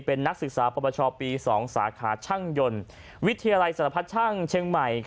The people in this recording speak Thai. เป็นนักศึกษาปรปชปี๒สาขาช่างยนต์วิทยาลัยสารพัดช่างเชียงใหม่